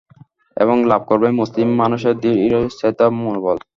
এবং লাভ করবেন মুসলিম মানসের দৃঢ়চেতা মনোবল।